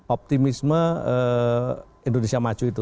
optimisme indonesia maju itu